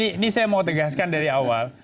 ini saya mau tegaskan dari awal